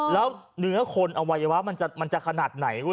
แล้วเนื้อคนอวัยวะมันจะขนาดไหน